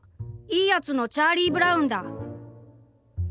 『いいやつ』のチャーリー・ブラウンだ！」。